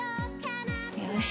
よし！